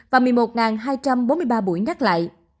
và một mươi một hai trăm bốn mươi ba buổi nhắc lại